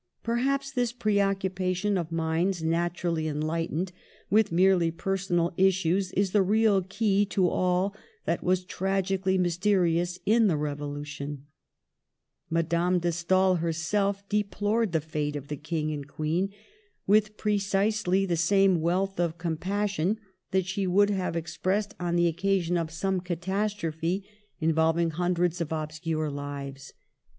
Perhaps this preoccupation of minds, naturally enlight ened, with merely personal issues is the real key to all that was tragically mysterious in the Rev olution. Madame de Stael herself deplored the fate of the King and Queen with precisely the same wealth of compassion that she would have expressed on the occasion of some catastrophe Digitized by VjOOQLC IS COURAGEOUS FOR HER FRIENDS, 59 involving hundreds of obscure lives.